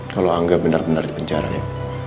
kalau angga benar benar di penjara ya